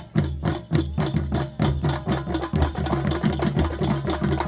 musikalitas kas islami